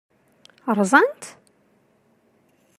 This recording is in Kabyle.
Ṛṛẓan-tt?